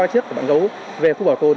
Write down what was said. của bạn gấu về khu bảo tồn